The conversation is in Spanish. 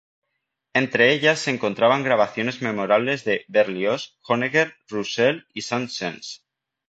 Entre ellas se encontraban grabaciones memorables de Berlioz, Honegger, Roussel y Saint-Saëns.